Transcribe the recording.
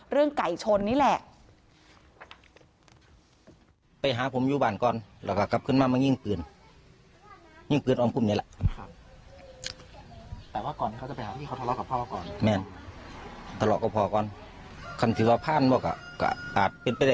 เรื่องไก่ชนนี่แหละ